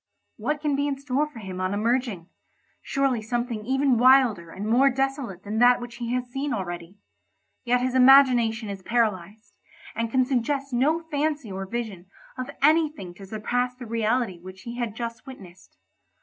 What can be in store for him on emerging? Surely something even wilder and more desolate than that which he has seen already; yet his imagination is paralysed, and can suggest no fancy or vision of anything to surpass the reality which he had just witnessed.